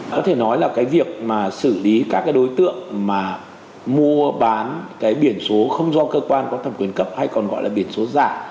có thể nói là việc xử lý các đối tượng mua bán biển số không do cơ quan có thẩm quyền cấp hay còn gọi là biển số giả